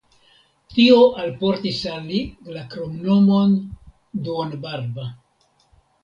Tio alportis al li la kromnomon "duonbarba".